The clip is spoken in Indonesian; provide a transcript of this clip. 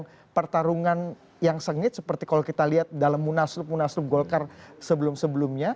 ini merupakan pertarungan yang sengit seperti kalau kita lihat dalam munaslup munaslup golkar sebelum sebelumnya